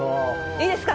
いいですか？